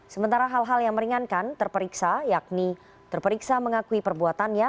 sementara hal hal yang meringankan terperiksa yakni terperiksa mengakui perbuatannya